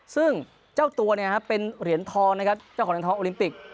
ซึ่งเจ้าตัวเป็นเหรียญทองนะครับเจ้าของเหรียญทองโอลิมปิก